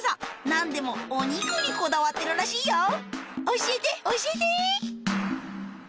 何でもお肉にこだわってるらしいよ教えて教えて！